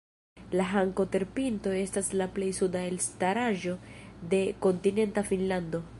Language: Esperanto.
La Hanko-terpinto estas la plej suda elstaraĵo de kontinenta Finnlando.